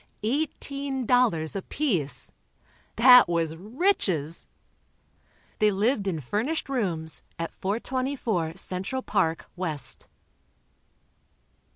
Eighteen dollars apiece. That was riches. They lived in furnished rooms, at 424 Central Park, West.